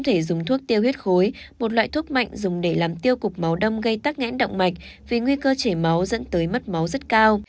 tiêu cục máu đông gây tắc ngẽn động mạch vì nguy cơ chảy máu dẫn tới mất máu rất cao